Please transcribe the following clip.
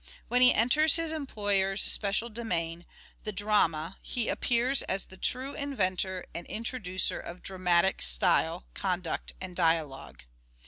When he enters his employer's special domain, the drama, he appears as " the true inventor and introducer of dramatic style, conduct and dialogue."